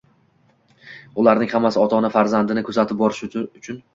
Ularning hammasi ota-ona farzandini kuzatib turish uchun